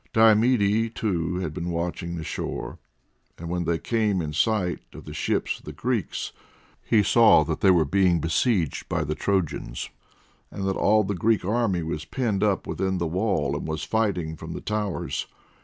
Diomede, too, had been watching the shore, and when they came in sight of the ships of the Greeks, he saw that they were being besieged by the Trojans, and that all the Greek army was penned up within the wall, and was fighting from the towers.